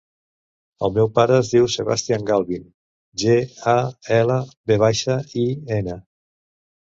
El meu pare es diu Sebastian Galvin: ge, a, ela, ve baixa, i, ena.